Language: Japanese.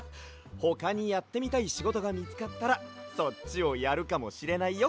ほかにやってみたいしごとがみつかったらそっちをやるかもしれないよ。